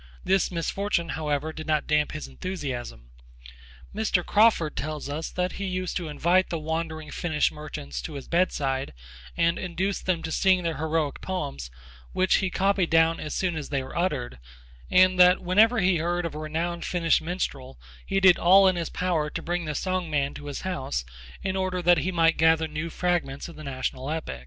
This misfortune, however, did not damp his enthusiasm. Mr. Crawford tells us that he used to invite the wandering Finnish merchants to his bedside and induce them to sing their heroic poems which he copied down as soon as they were uttered, and that whenever he heard of a renowned Finnish minstrel he did all in his power to bring the song man to his house in order that he might gather new fragments of the national epic.